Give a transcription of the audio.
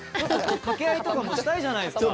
掛け合いとかもしたいじゃないですか。